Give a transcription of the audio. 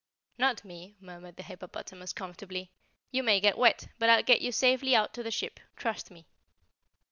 "Not me," murmured the hippopotamus comfortably. "You may get wet, but I'll get you safely out to the ship. Trust me."